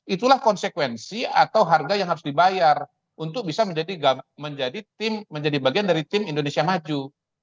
itulah konsekuensi atau harga yang harus dibayar untuk bisa menjadi bagian dari tim indonesia maju